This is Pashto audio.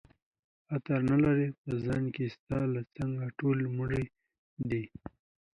عطر نه لري په ځان کي ستا له څنګه ټوله مړه دي